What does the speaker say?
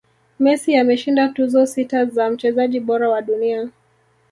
messi ameshinda tuzo sita za mchezaji bora wa dunia